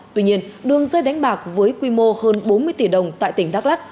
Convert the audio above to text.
tuy nhiên đường dây đánh bạc với quy mô hơn bốn mươi tỷ đồng tại tỉnh đắk lắc